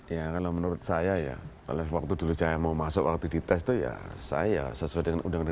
ya kalau menurut saya ya dari waktu dulu saya mau masuk waktu di tes itu ya saya sesuai dengan udah ngerti